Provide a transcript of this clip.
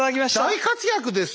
大活躍です。